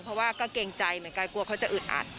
เพราะว่าก็เกรงใจเหมือนกันกลัวเขาจะอึดอัด